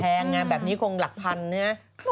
แพงละแบบนี้คงหลักพันธุ์